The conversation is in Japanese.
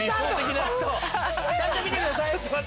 ちゃんと見てください。